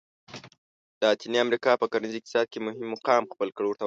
لاتیني امریکا په کرنیز اقتصاد کې مهم مقام خپل کړ.